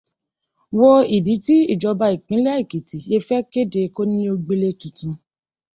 Wo ìdí tí ìjọba ìpínlẹ́ Èkìtì ṣe fẹ́ kéde Kónílé-ó-gbélé tuntun.